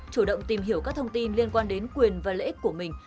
chủ động tìm hiểu các thông tin liên quan đến quyền và lợi ích của mình